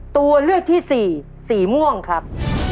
ตัวเลือกที่สี่สีม่วงครับ